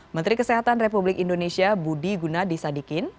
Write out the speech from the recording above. menteri kesehatan republik indonesia budi gunadisadikin